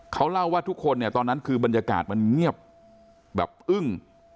เขาเล่าว่าทุกคนเนี่ยตอนนั้นคือบรรยากาศมันเงียบแบบอึ้ง